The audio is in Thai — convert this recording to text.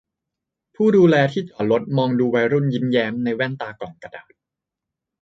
ผู้ดูแลที่จอดรถมองดูวัยรุ่นยิ้มแย้มในแว่นตากล่องกระดาษ